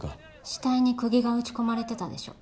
死体に釘が打ち込まれてたでしょ？